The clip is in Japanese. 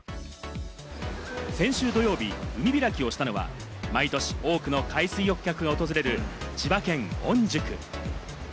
先週土曜日、海開きをしたのは、毎年多くの海水浴客が訪れる千葉県御宿。